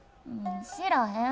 知らへん。